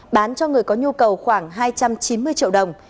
bán cho người có nhu cầu khoảng hai trăm chín mươi triệu đồng